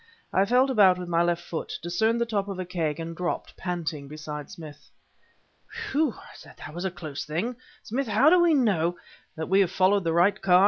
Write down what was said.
I felt about with my left foot; discerned the top of a keg, and dropped, panting, beside Smith. "Phew!" I said "that was a close thing! Smith how do we know " "That we have followed the right car?"